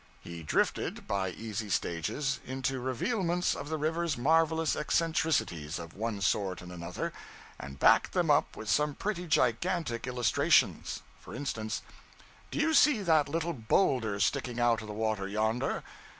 He drifted, by easy stages, into revealments of the river's marvelous eccentricities of one sort and another, and backed them up with some pretty gigantic illustrations. For instance 'Do you see that little boulder sticking out of the water yonder?